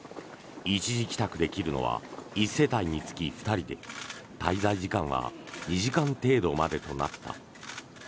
一時帰宅できるのは１世帯につき２人で滞在時間は２時間程度までとなった。